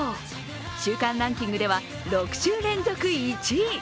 週間ランキングでは６週連続１位。